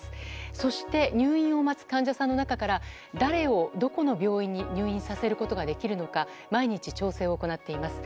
そして入院を待つ患者さんの中から誰をどこの病院に入院させることができるのか毎日、調整を行っています。